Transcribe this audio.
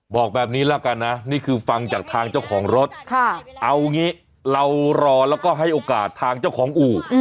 บอกแบบนี้แล้วกันนะนี่คือฟังจากทางเจ้าของรถเอางี้เรารอแล้วก็ให้โอกาสทางเจ้าของอู่